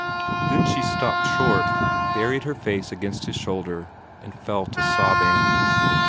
Then she stopped short, buried her face against his shoulder, and fell to sobbing.